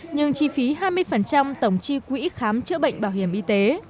nhưng chi phí hai mươi tổng chi quỹ khám chữa bệnh bảo hiểm y tế